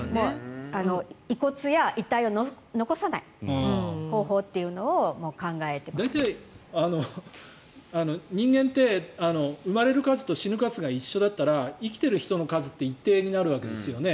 遺骨や遺体を残さない方法を大体、人間って生まれる数と死ぬ数が一緒だったら生きている人の数って一定になるわけですよね。